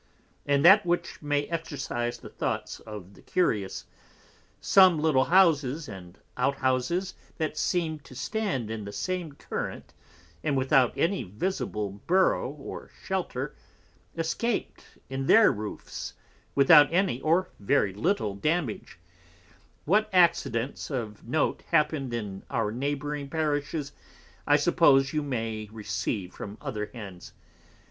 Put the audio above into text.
And that which may exercise the Thoughts of the Curious, some little Houses and Out houses that seemed to stand in the same Current, and without any visible Burrough or Shelter, escaped in their Roofs, without any, or very little Damage: What Accidents of Note hapned in our Neighbouring Parishes, I suppose you may receive from other Hands.